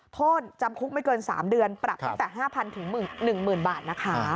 โทษจำคุกไม่เกิน๓เดือนปรับตั้งแต่๕๐๐๑๐๐บาทนะคะ